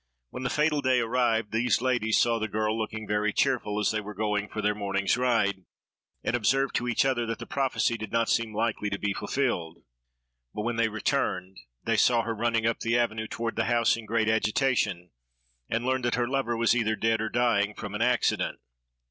When the fatal day arrived, these ladies saw the girl looking very cheerful, as they were going for their morning's ride, and observed to each other that the prophecy did not seem likely to be fulfilled; but when they returned, they saw her running up the avenue toward the house in great agitation, and learned that her lover was either dead or dying, from an accident.